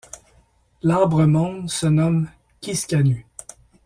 L'arbre-monde se nomme KisKanu.